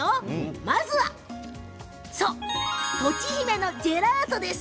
まずはとちひめのジェラートです。